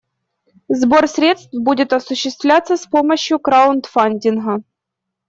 Сбор средств будет осуществляться с помощью краудфандинга.